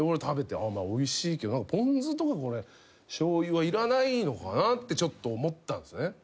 食べておいしいけどポン酢とかしょうゆはいらないのかな？ってちょっと思ったんですよね。